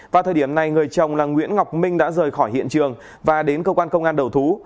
vào thời điểm này người chồng là nguyễn ngọc minh đã rời khỏi hiện trường và đến cơ quan công an đầu thú